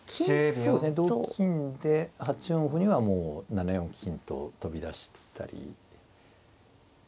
そうですね同金で８四歩にはもう７四金と飛び出したり。